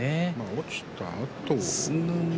落ちたあと？